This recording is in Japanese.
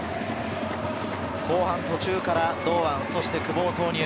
後半途中から堂安、久保を投入。